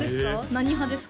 何派ですか？